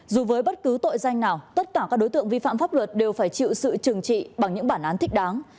dù với bất cứ tội danh nào tất cả các đối tượng vi phạm pháp luật đều phải chịu sự trừng trị bằng những bản án thích đáng